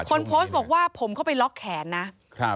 คนโพสต์บอกว่าผมเข้าไปล็อกแขนนะครับ